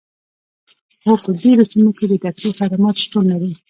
هو په ډیرو سیمو کې د ټکسي خدمات شتون لري